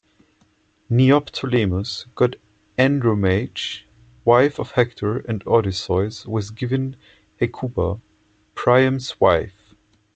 Neoptolemus got Andromache, wife of Hector, and Odysseus was given Hecuba, Priam's wife.